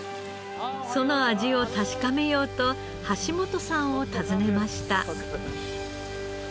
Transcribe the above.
その味を確かめようと橋本さんを訪ねました。